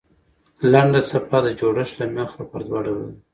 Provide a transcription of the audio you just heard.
لنډه څپه د جوړښت له مخه پر دوه ډوله ده.